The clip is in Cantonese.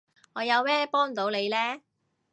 我有咩幫到你呢？